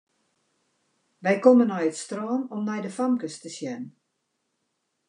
Wy komme nei it strân om nei de famkes te sjen.